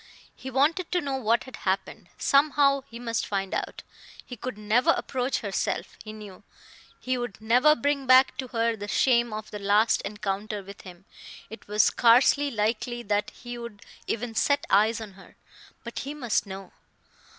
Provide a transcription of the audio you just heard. He wanted to know what had happened; somehow he must find out. He could never approach herself, he knew; he would never bring back to her the shame of that last encounter with him; it was scarcely likely that he would even set eyes on her. But he must know!...